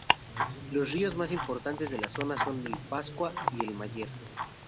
Los ríos más importantes de la zona son el Pascua y el Mayer.